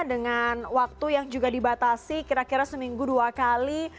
dengan waktu yang juga dibatasi kira kira seminggu dua kali